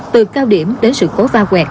từ cao điểm đến sự cố pha quẹt